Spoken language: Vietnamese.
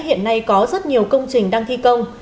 hiện nay có rất nhiều công trình đang thi công